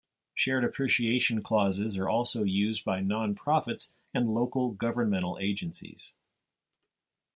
Shared Appreciation clauses are also used by non-profits and local governmental agencies.